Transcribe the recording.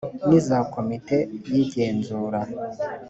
n iza komite y igenzura